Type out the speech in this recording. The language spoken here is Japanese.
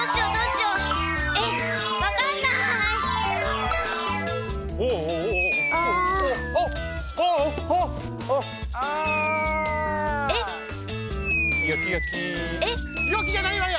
よきじゃないわよ！